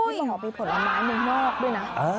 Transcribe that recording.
อยากที่เราเอาไปผลไม้ด้วยนะ